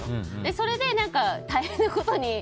それが大変なことに。